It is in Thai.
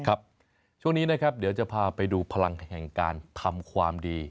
ช่วงนี้นะครับเดี๋ยวจะพาไปดูพลังแห่งการทำความดี